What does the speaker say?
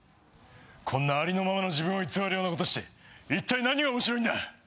こんなありのままの自分を偽るようなことして一体何がおもしろいんだ！